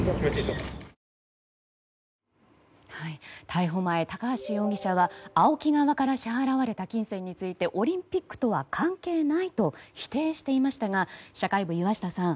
逮捕前、高橋容疑者はＡＯＫＩ側から支払われた金銭についてオリンピックとは関係ないと否定していましたが社会部、岩下さん。